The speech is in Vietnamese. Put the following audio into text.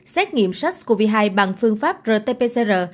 xét nghiệm sars cov hai bằng phương pháp rt pcr